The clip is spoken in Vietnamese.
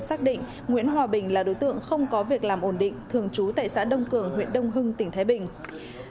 xác định nguyễn hòa bình là đối tượng không có việc làm ổn định thường trú tại xã đông cường huyện đông hưng tỉnh thái bình